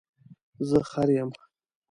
زه خر یم